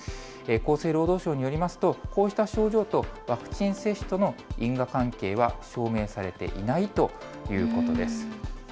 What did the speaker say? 厚生労働省によりますと、こうした症状とワクチン接種との因果関係は証明されていないということです。